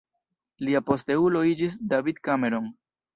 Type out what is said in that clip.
Lia posteulo iĝis David Cameron.